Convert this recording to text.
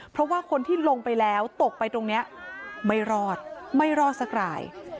เพราะว่าคนที่ลงไปแล้วตกไปตรงนี้ไม่รอดไม่รอดสักราย